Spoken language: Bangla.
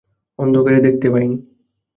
অন্ধকারে দেখতে পাই নি।